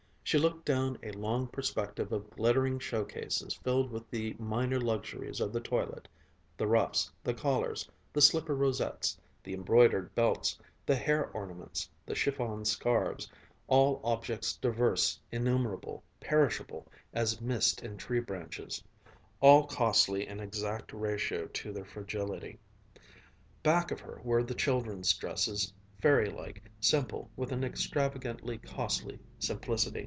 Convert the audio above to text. She looked down a long perspective of glittering show cases filled with the minor luxuries of the toilet, the ruffs, the collars, the slipper rosettes, the embroidered belts, the hair ornaments, the chiffon scarves, all objects diverse, innumerable, perishable as mist in tree branches, all costly in exact ratio to their fragility. Back of her were the children's dresses, fairy like, simple with an extravagantly costly simplicity.